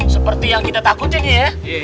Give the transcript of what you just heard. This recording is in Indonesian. seperti yang kita takutin ya